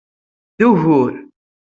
D ugur!